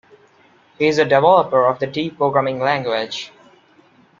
He is a developer of the D programming language.